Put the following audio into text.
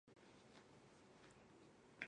它们主要在浓密的灌木丛植被生活。